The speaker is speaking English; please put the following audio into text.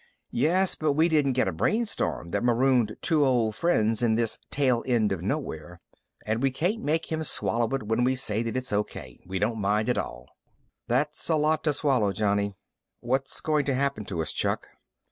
"Yes, but we didn't get a brainstorm that marooned two old friends in this tail end of nowhere. And we can't make him swallow it when we say that it's okay, we don't mind at all." "That's a lot to swallow, Johnny." "What's going to happen to us, Chuck?"